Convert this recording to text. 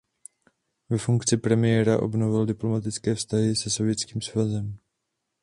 Ve funkci premiéra obnovil diplomatické vztahy se Sovětským svazem.